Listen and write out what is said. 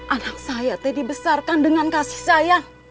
anak saya teh dibesarkan dengan kasih sayang